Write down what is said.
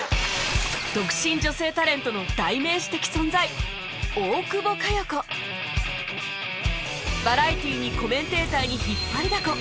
独身女性タレントの代名詞的存在バラエティーにコメンテーターに引っ張りだこ